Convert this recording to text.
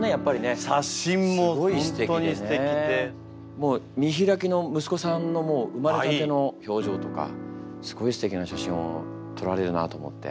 もう見開きの息子さんの生まれたての表情とかすごいすてきな写真を撮られるなと思って。